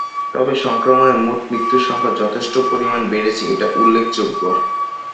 তবে সংক্রমণে মোট মৃত্যুর সংখ্যা যথেষ্ট পরিমাণে বেড়েছে এটা উল্লেখযোগ্য।